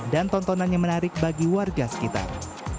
dan tontonannya menarik bagi warga sekitar